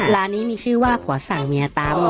ร้านนี้มีชื่อว่าผัวสั่งเมียตำ